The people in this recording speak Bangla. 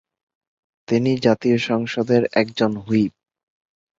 তিনি জাতীয় সংসদের একজন হুইপ।